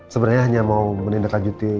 sebenarnya hanya mau menindaklanjuti